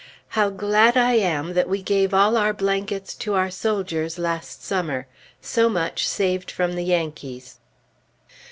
How glad I am that we gave all our blankets to our soldiers last summer! So much saved from the Yankees!